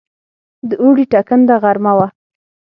د اوړي ټکنده غرمه وه.